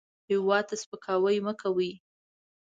هېواد ته سپکاوی مه کوئ